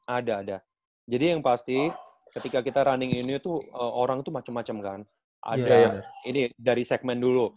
ada ada jadi yang pasti ketika kita running ini tuh orang itu macam macam kan ada ini dari segmen dulu